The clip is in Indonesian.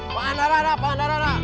pak andara pak andara pak andara